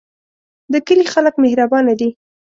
د کلی خلک مهربانه دي